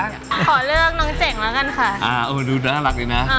ขอเลือกน้องเจ๋งแล้วกันค่ะ